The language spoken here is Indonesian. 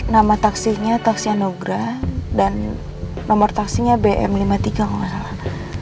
nama taksinya taksi anugrah dan nomor taksinya bm lima puluh tiga kalau gak salah